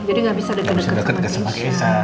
jadi gak bisa deket deket sama keisha